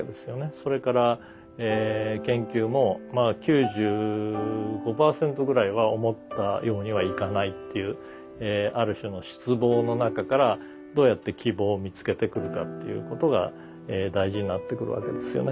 それから研究も９５パーセントぐらいは思ったようにはいかないっていうある種の失望の中からどうやって希望を見つけてくるかっていうことが大事になってくるわけですよね。